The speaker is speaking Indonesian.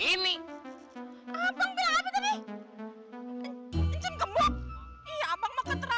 emangnya encin gemuk orang